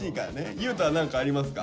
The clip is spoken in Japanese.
優斗は何かありますか？